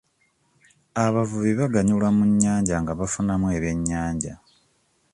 Abavubi baganyulwa mu nnyanja nga bafunafu ebyenyanja.